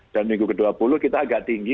dan minggu ke dua puluh kita agak tinggi